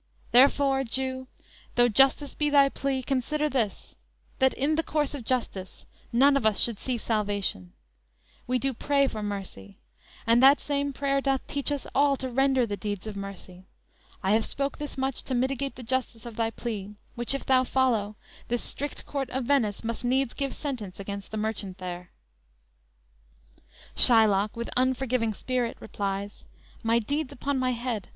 Therefore, Jew, Though justice be thy plea, consider this, That in the course of justice, none of us Should see salvation; we do pray for mercy; And that same prayer doth teach us all to render The deeds of mercy, I have spoke this much To mitigate the justice of thy plea; Which, if thou follow, this strict court of Venice Must needs give sentence against the merchant there."_ Shylock, with unforgiving spirit, replies: _"My deeds upon my head!